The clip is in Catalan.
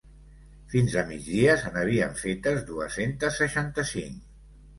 Fins a migdia, se n’havien fetes dues-centes seixanta-cinc.